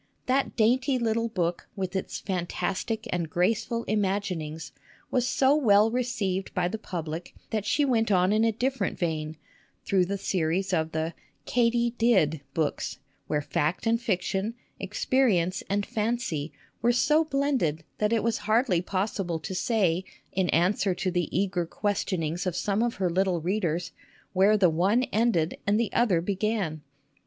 SUSAN COOLIDGE xi That dainty little book, with its fantastic and graceful imaginings, was so well received by the public that ic went on in a different vein, through the series of the " Katy Did " books, where fact and fiction, experi ence and fancy, were so blended that it was hardly 5sible to say in answer to the eager questionings >f some of her little readers where the one ended id the other began.